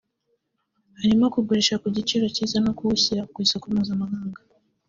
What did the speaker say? harimo kugurisha ku giciro cyiza no kuwushyira ku isoko mpuzamahanga